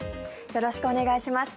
よろしくお願いします。